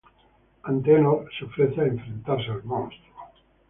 Antenor se ofrece a enfrentarse al monstruo.